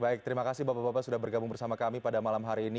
baik terima kasih bapak bapak sudah bergabung bersama kami pada malam hari ini